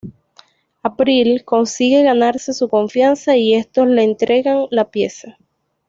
April consigue ganarse su confianza y estos la entregan la pieza.